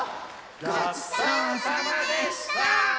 ごちそうさまでした！